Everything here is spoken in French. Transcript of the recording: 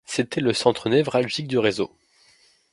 C'était le centre névralgique du réseau.